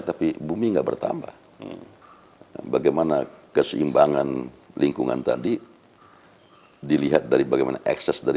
tapi bumi enggak bertambah bagaimana keseimbangan lingkungan tadi dilihat dari bagaimana ekses dari